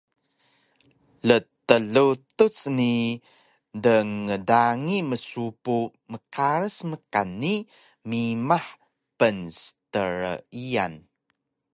ltlutuc ni dngdangi mseupu mqaras mkan ni mimah pnstryian